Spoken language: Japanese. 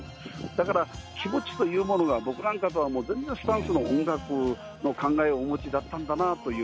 だから気持ちというものが、僕なんかとは全然スタンスの、音楽の考えをお持ちだったんだなという。